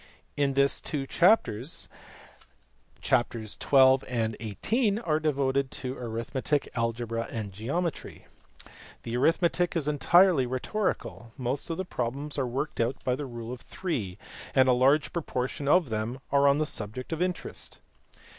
In this two chapters (chaps, xii. and XVIH.) are devoted to arithmetic, algebra, and geometry*. The arithmetic is entirely rhetorical. Most of the problems are worked out by the rule of three, and a large proportion of them are on the subject of interest.